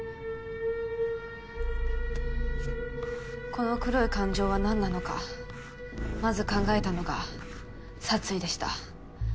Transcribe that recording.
この黒い感情は何なのかまず考えたのが殺意でした。